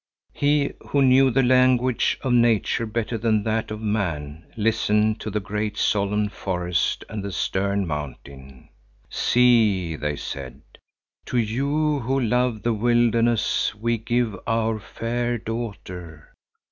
He, who knew the language of nature better than that of man, listened to the great, solemn forest and the stern mountain. "See," they said, "to you, who love the wilderness, we give our fair daughter.